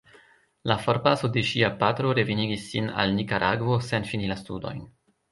La forpaso de ŝia patro revenigis sin al Nikaragvo sen fini la studojn.